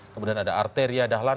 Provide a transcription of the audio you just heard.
kemudian ada arteria dahlan